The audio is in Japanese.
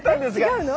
違うの？